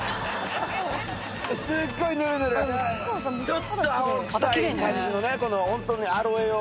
ちょっと青臭い感じのねこのホントにアロエを。